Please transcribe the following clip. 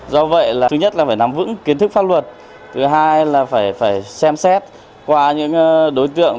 do vậy là thứ nhất là phải nắm vững kiến thức pháp luật thứ hai là phải xem xét qua những đối tượng